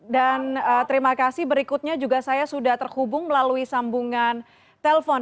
dan terima kasih berikutnya juga saya sudah terhubung melalui sambungan telepon